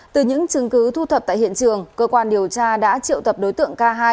từ những chứng cứ thu thập tại hiện trường cơ quan điều tra đã triệu tập đối tượng k hai